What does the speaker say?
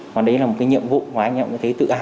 và đấy là một cái nhiệm vụ mà anh em cũng thấy tự hào